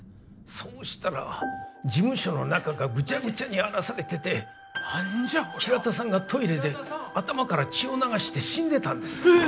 そうしたら事務所の中がグチャグチャに荒らされてて何じゃこりゃ平田さんがトイレで頭から血を流して死んでたんです